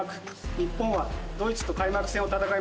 日本はドイツと開幕戦を戦います。